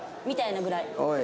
みたいなぐらい。